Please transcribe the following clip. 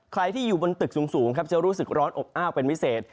ใครที่อยู่บนตึกสูงครับจะรู้สึกร้อนอบอ้าวเป็นพิเศษ